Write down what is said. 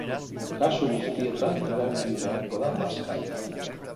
Kasu guztietan erabili beharko da maskara.